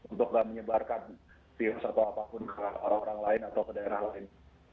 untuk menyebarkan virus atau apapun ke orang orang lain atau ke daerah lain